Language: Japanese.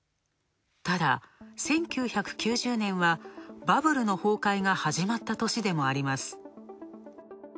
ただ１９９０年はバブルの崩壊が始まった年でもあります。